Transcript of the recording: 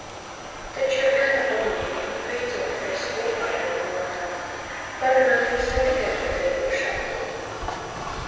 Taču ir gana omulīgi beidzot ēst kopā regulārāk, parunāties ne tikai par degošāko.